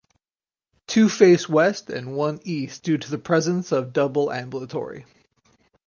Two face west and one east due to the presence of the double ambulatory.